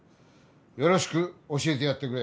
よろしく教えてやってくれ。